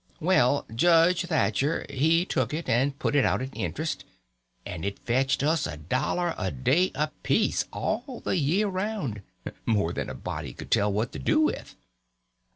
Well, Judge Thatcher he took it and put it out at interest, and it fetched us a dollar a day apiece all the year round—more than a body could tell what to do with.